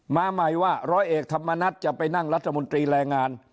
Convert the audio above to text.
มาใหม่ว่าร้อยเอกธรรมนัฏจะไปนั่งรัฐมนตรีแรงงาน